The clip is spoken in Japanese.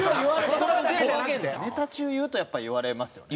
ネタ中言うとやっぱ言われますよね。